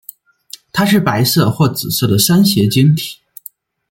它是白色或紫色的三斜晶体。